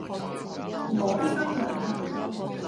我的心冷下來